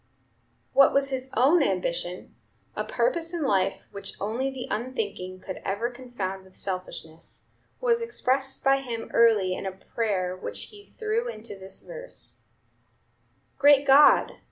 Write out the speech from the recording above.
What was his own ambition a purpose in life which only the unthinking could ever confound with selfishness was expressed by him early in a prayer which he threw into this verse: "Great God!